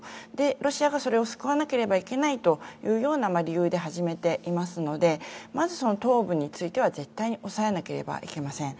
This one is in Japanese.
ロシアがそれを救わなければいけないという理由で始めていますのでまず東部については絶対に押さえなければいけません。